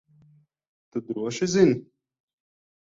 Tu droši zini?